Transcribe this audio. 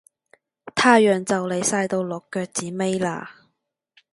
太陽就嚟晒到落腳子尾喇